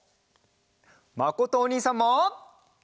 まことおにいさんも。